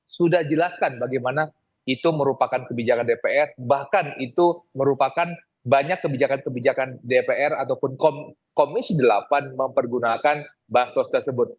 sudah jelaskan bagaimana itu merupakan kebijakan dpr bahkan itu merupakan banyak kebijakan kebijakan dpr ataupun komisi delapan mempergunakan bansos tersebut